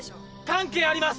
関係あります！